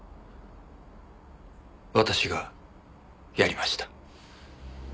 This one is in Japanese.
私がやりました。